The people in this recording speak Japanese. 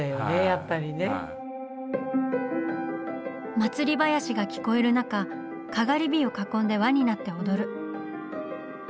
祭り囃子が聞こえる中かがり火を囲んで輪になって踊る。